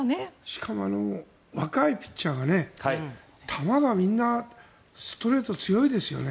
しかも若いピッチャーの球がみんなストレート強いですよね。